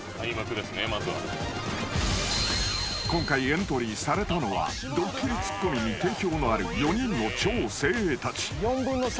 ［今回エントリーされたのはドッキリツッコミに定評のある４人の超精鋭たち］